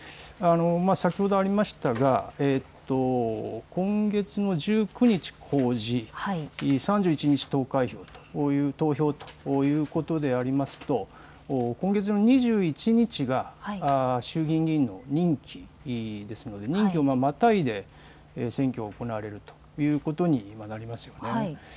先ほどありましたが今月の１９日公示、３１日投開票ということでありますと今月の２１日が衆議院議員の任期ですので任期をまたいで選挙が行われるということになります。